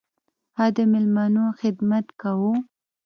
هغه د میلمنو خدمت کاوه.